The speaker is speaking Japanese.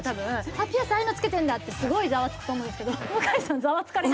「ああいうのつけてんだ」ってすごいざわつくと思うんですけど向井さんざわつかれない。